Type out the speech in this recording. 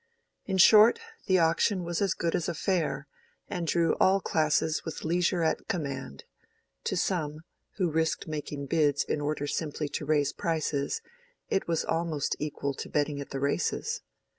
In short, the auction was as good as a fair, and drew all classes with leisure at command: to some, who risked making bids in order simply to raise prices, it was almost equal to betting at the races.